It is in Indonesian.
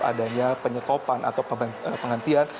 adanya penyetopan atau penghentian